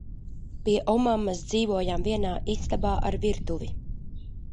Pie omammas dzīvojām vienā istabā ar virtuvi.